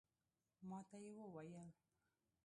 ماته یې وویل